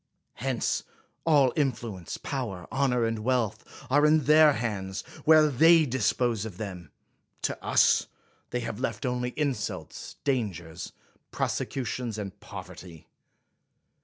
Hence, all influ ence, power, honor, and wealth, are in their hands, or where they dispose of them ; to us they have left only insults, dangers, prosecutions, and poverty.